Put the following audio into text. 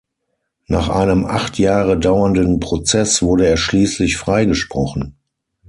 Nach einem acht Jahre dauernden Prozess wurde er schließlich freigesprochen.